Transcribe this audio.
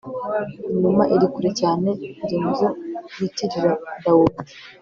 inuma iri kure cyane. iri mu zo bitirira dawudi